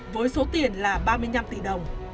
với số tiền là ba mươi năm triệu đồng